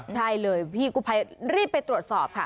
ใช่เลยพี่กู้ภัยรีบไปตรวจสอบค่ะ